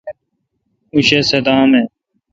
اوں شہ صدام اؘ ۔